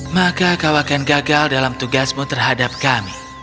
maka kau akan gagal dalam tugasmu terhadap kami